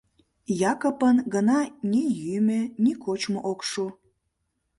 Якыпын гына ни йӱмӧ, ни кочмо ок шу.